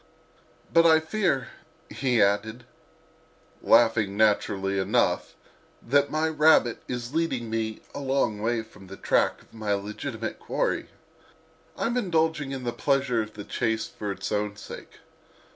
"But I fear," he added, laughing naturally enough, "that my rabbit is leading me a long way from the track of my legitimate quarry: I'm indulging in the pleasure of the chase for its own sake.